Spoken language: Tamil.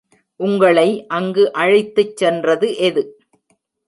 உங்களை அங்கு அழைத்துச் சென்றது எது?